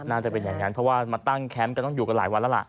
น่าจะเป็นอย่างนั้นเพราะว่ามาตั้งแคมป์ก็ต้องอยู่กันหลายวันแล้วล่ะ